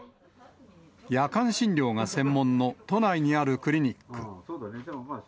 夜間診療が専門の都内にあるクリニック。